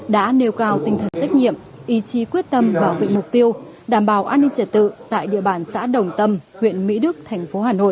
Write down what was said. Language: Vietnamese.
đã nêu cao tinh thần trách nhiệm ý chí quyết tâm bảo vệ mục tiêu đảm bảo an ninh trẻ tự tại địa bản xã đồng tâm huyện mỹ đức tp hà nội